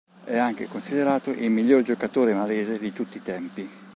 È anche considerato il miglior giocatore malese di tutti i tempi.